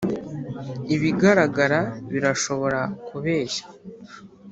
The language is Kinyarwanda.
ibigaragara birashobora kubeshya